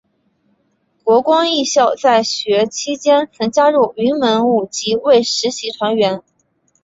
国光艺校在学期间曾加入云门舞集为实习团员。